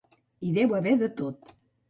Hi deu haver de tot.